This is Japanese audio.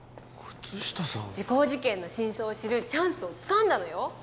時効事件の真相を知るチャンスをつかんだのよ。